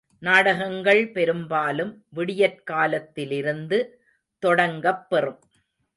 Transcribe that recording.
நாடகங்கள் பெரும்பாலும் விடியற்காலத்திலிருந்து தொடங்கப் பெறும்.